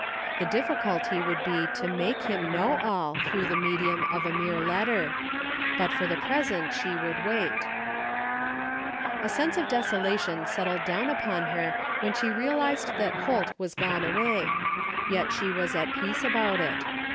The difficulty would be to make him know all tiirough the medium of a mere letter. But for the present she would wait. A sense of desolation settled down upon her when 164 THE FINDING OF JASPER HOLT she realized that Holt was gone away ; yet she was at peace about it.